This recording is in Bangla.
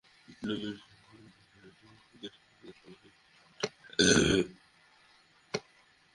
তবে সিএনজি স্টেশনের পক্ষ থেকে সহযোগিতা দেওয়া হয়নি বলে ভুক্তভোগী পরিবারগুলো জানিয়েছে।